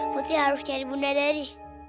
putri harus nyari bunda dari